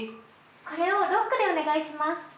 これをロックでお願いします。